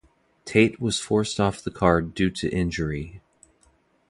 Tate was forced off the card due to injury.